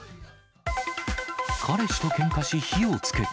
彼氏とけんかし火をつけた。